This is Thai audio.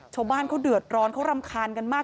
ชาวบ้านเขาเดือดร้อนเขารำคาญกันมาก